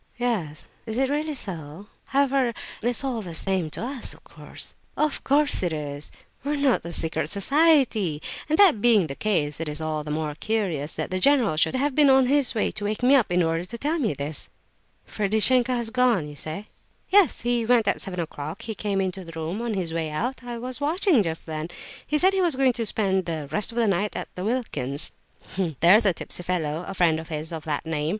"Yes. Is it really so? However, it's all the same to us, of course." "Of course it is; we are not a secret society; and that being the case, it is all the more curious that the general should have been on his way to wake me up in order to tell me this." "Ferdishenko has gone, you say?" "Yes, he went at seven o'clock. He came into the room on his way out; I was watching just then. He said he was going to spend 'the rest of the night' at Wilkin's; there's a tipsy fellow, a friend of his, of that name.